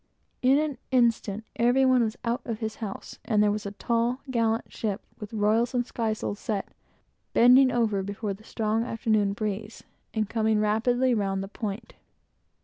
In an instant, every one was out of his house; and there was a fine, tall ship, with royals and skysails set, bending over before the strong afternoon breeze, and coming rapidly round the point.